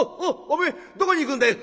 おめえどこに行くんだい？」。